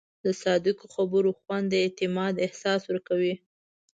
د صادقو خبرو خوند د اعتماد احساس ورکوي.